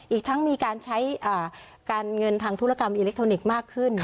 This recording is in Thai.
อีกทั้งมีการใช้การเงินทางธุรกรรมอิเล็กทรอนิกส์มากขึ้น